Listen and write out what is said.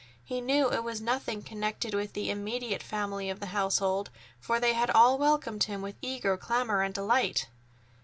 He knew it was nothing connected with the immediate family of the household, for they had all welcomed him with eager clamor and delight.